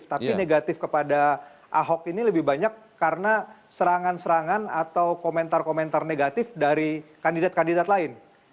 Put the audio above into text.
tapi negatif kepada ahok ini lebih banyak karena serangan serangan atau komentar komentar negatif dari kandidat kandidat lain